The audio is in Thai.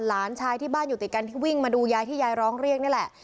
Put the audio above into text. หลานชายที่บ้านอยู่ติดกันที่วิ่งมาดูยายที่ยายร้องเรียกนี่แหละ